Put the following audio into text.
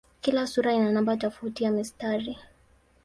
Kila sura ina namba tofauti ya mistari.